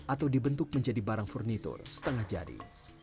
atau dibentuk menjadi barang furnitur setengah jadi